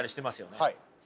はい。